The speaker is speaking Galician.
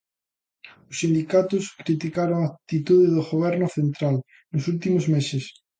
Os sindicatos criticaron a actitude do Goberno central nos últimos meses.